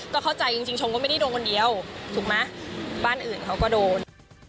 ก็เข้าใจจริงชงก็ไม่ได้โดนคนเดียวถูกไหมบ้านอื่นเขาก็โดน